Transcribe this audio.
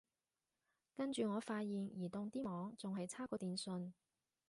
跟住我發現移動啲網仲係差過電信